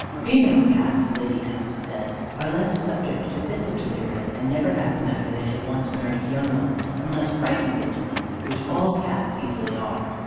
Female Cats, Lady Cust says, are less subject to fits of delirium, and never have them after they have once nursed young ones, unless frightened into them, which all Cats easily are.